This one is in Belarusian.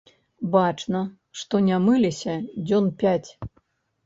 Бачна, што не мыліся дзён пяць.